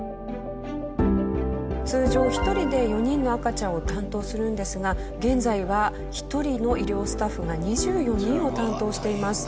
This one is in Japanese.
通常１人で４人の赤ちゃんを担当するんですが現在は１人の医療スタッフが２４人を担当しています。